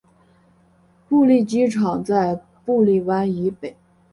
布利机场在布利湾以北。